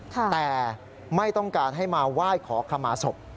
แต่ไม่ต้องการให้มาไหว้ขอขมาศพ